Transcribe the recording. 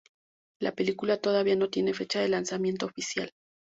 La película todavía no tiene fecha de lanzamiento oficial.